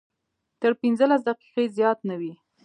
تر پنځلس دقیقې زیات نه وي.